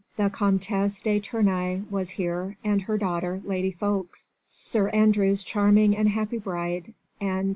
The Comtesse de Tournai was here and her daughter, Lady Ffoulkes, Sir Andrew's charming and happy bride, and M.